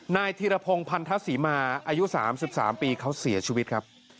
นายธีรพงศ์พันธศรีมาอายุ๓๓ปีเขาเสียชีวิตครับ